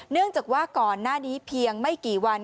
เนื่องจากว่าก่อนหน้านี้เพียงไม่กี่วัน